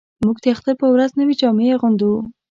موږ د اختر په ورځ نوې جامې اغوندو